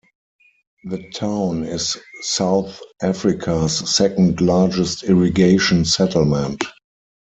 The town is South Africa's second largest irrigation settlement.